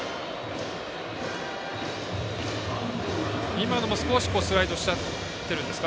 今のも少しスライドしちゃってるんですか。